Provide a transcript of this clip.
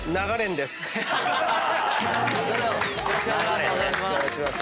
よろしくお願いします。